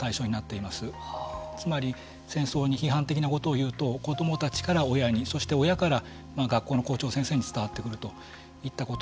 つまり戦争に批判的なことを言うと子どもたちから親にそして親から学校の校長先生に伝わってくるといったことです。